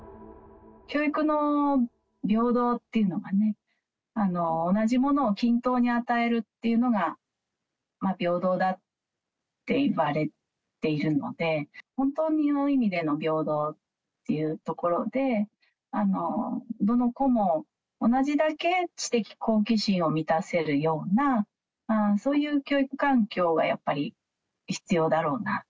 教育の平等っていうのはね、同じものを均等に与えるっていうのが平等だっていわれているので、本当にいい意味での平等というところで、どの子も同じだけ知的好奇心を満たせるような、そういう教育環境は、やっぱり必要だろうなと。